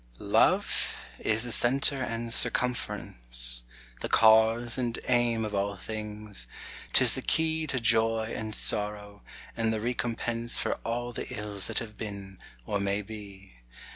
Love is the center and circumference; The cause and aim of all things 'tis the key To joy and sorrow, and the recompense For all the ills that have been, or may be.